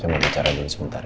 saya mau bicara dulu sebentar